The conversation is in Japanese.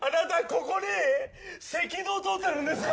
ここに赤道通ってるんですか？